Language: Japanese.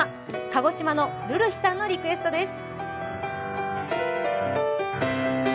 鹿児島のるるひさんのリクエストです。